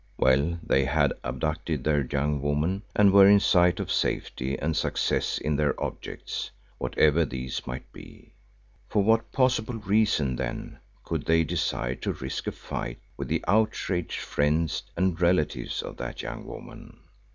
Well, they had abducted their young woman and were in sight of safety and success in their objects, whatever these might be. For what possible reason, then, could they desire to risk a fight with the outraged friends and relatives of that young woman?